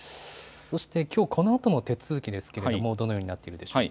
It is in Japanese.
そして、きょうこのあとの手続きですけれども、どのようにな